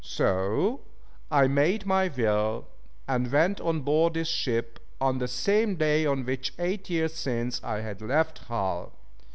So I made my will, and went on board this ship on the same day on which, eight years since, I had left Hull.